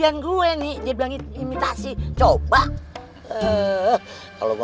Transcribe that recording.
magie kita mulau